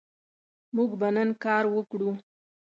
موږ به نن کار وکړو